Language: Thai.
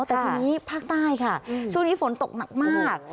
แต่ทีนี้ภาคใต้ค่ะช่วงนี้ฝนตกหนักมาก